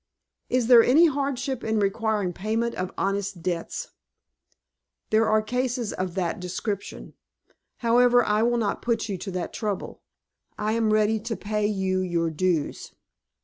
"Is there any hardship in requiring payment of honest debts?" "There are cases of that description. However, I will not put you to that trouble. I am ready to pay you your dues."